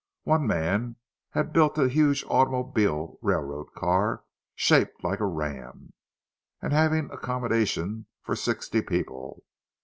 One man had built a huge automobile railroad car, shaped like a ram, and having accommodation for sixty people.